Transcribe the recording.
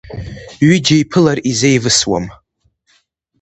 Ҩыџьа еиԥылар, изеивысуам…